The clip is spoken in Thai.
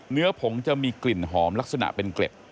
ผงจะมีกลิ่นหอมลักษณะเป็นเกล็ด